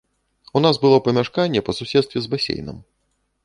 У нас было памяшканне па суседстве з басейнам.